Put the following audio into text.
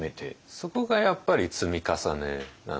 そこがやっぱり積み重ねなんですよね。